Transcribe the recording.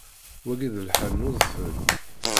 Wagi d lḥal n udfel.